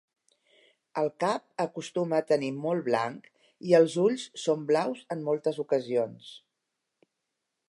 El cap acostuma a tenir molt blanc i els ulls són blaus en moltes ocasions.